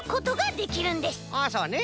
あっそうね